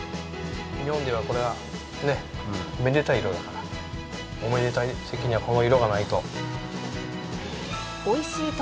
日本では、これはめでたい色だからおめでたい席にはこの色がないと。